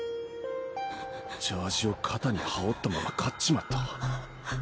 ジャージーを肩に羽織ったまま勝っちまった。